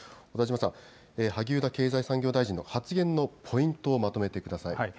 小田島さん、萩生田経済産業大臣の発言のポイントをまとめてください。